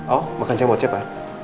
oh makan siang buat siapa